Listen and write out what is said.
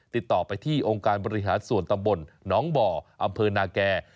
ติดต่อไปที่องค์การบริหารส่วนตำบลน้องบ่ออำเภอนาแก่